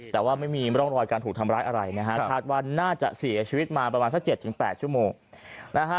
แต่ว่าไม่มีร่องรอยการถูกทำร้ายอะไรนะฮะคาดว่าน่าจะเสียชีวิตมาประมาณสัก๗๘ชั่วโมงนะฮะ